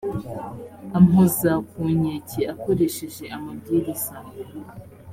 ampoza ku nkeke akoresheje amabwiriza